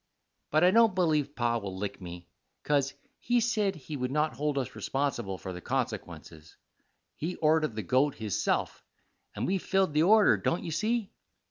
But I don't believe Pa will lick me, 'cause he said he would not hold us responsible for the consequences. He ordered the goat hisself, and we filled the order, don't you see?